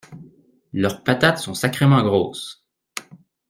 Leurs patates sont sacrément grosses.